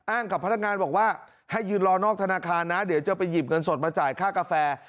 กับพนักงานบอกว่าให้ยืนรอนอกธนาคารนะเดี๋ยวจะไปหยิบเงินสดมาจ่ายค่ากาแฟ